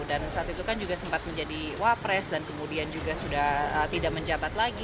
dan saat itu kan juga sempat menjadi wapres dan kemudian juga sudah tidak menjabat lagi